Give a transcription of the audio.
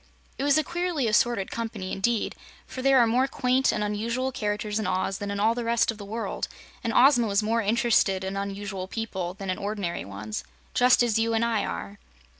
It was a queerly assorted company, indeed, for there are more quaint and unusual characters in Oz than in all the rest of the world, and Ozma was more interested in unusual people than in ordinary ones just as you and I are.